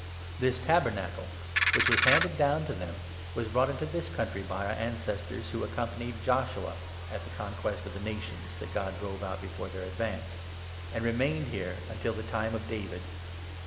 This 45 Tabernacle, which was handed down to them, was brought into this country by our ancestors who accompanied Joshua (at the conquest of the nations that God drove out before their advance), and remained here until the time of David.